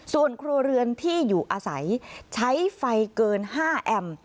ส่วนครัวเรือนที่อยู่อาศัยใช้ไฟเกิน๕แอมป์